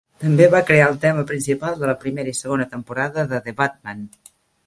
També va crear el tema principal de la primera i segona temporada de "The Batman".